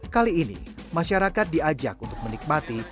kali ini masyarakat diajak untuk menikmati